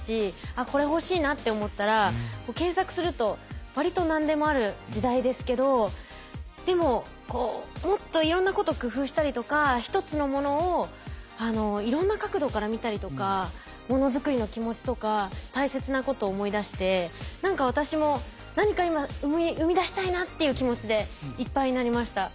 あっこれ欲しいなって思ったら検索するとわりと何でもある時代ですけどでもこうもっといろんなこと工夫したりとか一つのものをいろんな角度から見たりとかものづくりの気持ちとか大切なことを思い出して何か私も何か今生み出したいなっていう気持ちでいっぱいになりました。